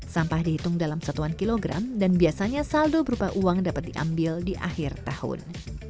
sampah dihitung dalam satuan kilogram dan biasanya saldo berupa uang dapat diambil di akhir tahun